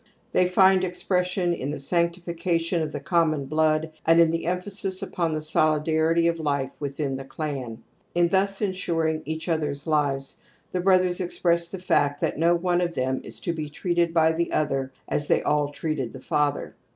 They find expres sion in the sanctification of the common blood and in the emphasis upon the solidarity of life within the clan. In thus ensuring each other's lives the brothers express the fact that no one of them is to be treated bv the other as they aU treated the fatih^r.